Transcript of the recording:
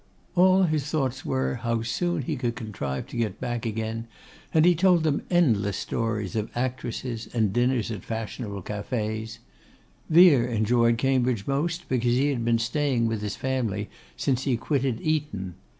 All his thoughts were, how soon he could contrive to get back again; and he told them endless stories of actresses, and dinners at fashionable cafés. Vere enjoyed Cambridge most, because he had been staying with his family since he quitted Eton.